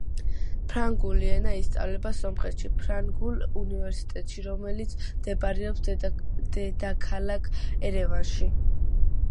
ფრანგული ენა ისწავლება სომხეთის ფრანგულ უნივერსიტეტში, რომელიც მდებარეობს დედაქალაქ ერევანში.